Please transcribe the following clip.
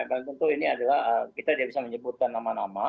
berantem tuh ini adalah kita bisa menyebutkan nama nama